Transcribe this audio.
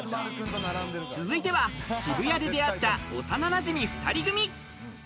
続いては、渋谷で出会った、幼なじみ２人組。